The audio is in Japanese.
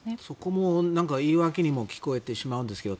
そこも言い訳にも聞こえてしまうんです。